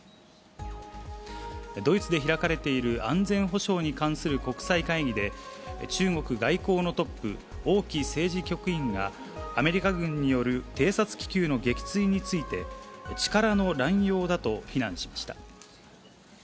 ドイツで開かれている安全保障に関する国際会議で中国外交のトップ、王毅政治局員が、アメリカ軍による偵察気球の撃墜について、力の乱用だと非難しました。